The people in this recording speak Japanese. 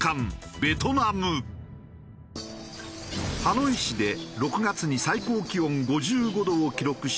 ハノイ市で６月に最高気温５５度を記録したベトナム。